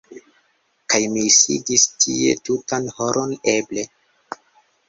Kaj mi sidis tie tutan horon eble.